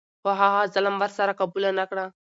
خو هغه ظلم ور سره قبوله نه کړه.